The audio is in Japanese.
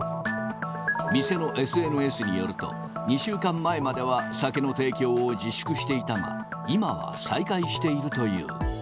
店のＳＮＳによると、２週間前までは酒の提供を自粛していたが、今は再開しているという。